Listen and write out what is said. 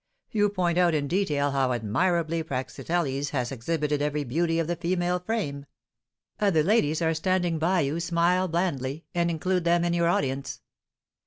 You point out in detail how admirably Praxiteles has exhibited every beauty of the female frame. Other ladies are standing by you smile blandly, and include them in your audience."